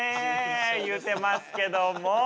いうてますけども。